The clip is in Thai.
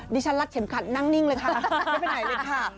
ดิฉันรัดเข็มขัดนั่งนิ่งเลยค่ะไม่ไปไหนเลยค่ะ